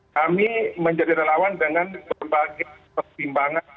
kami menjadi relawan dengan berbagai pertimbangan